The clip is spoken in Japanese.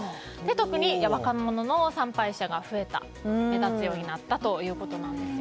特に若者の参拝者が目立つようになったということです。